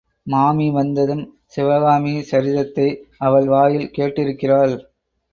மாமி வந்ததும் சிவகாமி சரிதத்தை அவள் வாயில் கேட்டிருக்கிறாள்.